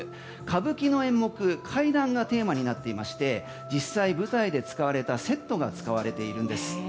歌舞伎の演目、怪談がテーマになっていまして実際、舞台で使われているセットが使われているんです。